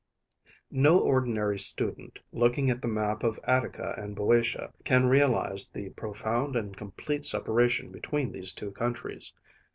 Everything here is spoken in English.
No ordinary student, looking at the map of Attica and BŇďotia, can realize the profound and complete separation between these two countries.